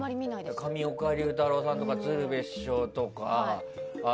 上岡龍太郎さんとか鶴瓶師匠とか。